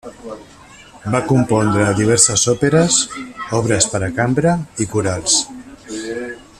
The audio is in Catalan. Va compondre diverses òperes, obres per a cambra i corals.